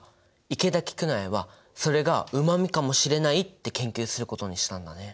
池田菊苗はそれがうま味かもしれないって研究することにしたんだね。